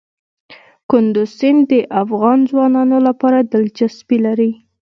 کندز سیند د افغان ځوانانو لپاره دلچسپي لري.